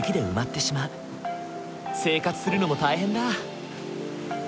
生活するのも大変だ。